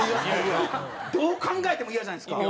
どう考えてもイヤじゃないですか。